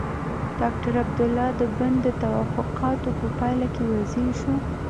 ډاکټر عبدالله د بن د توافقاتو په پايله کې وزیر شو.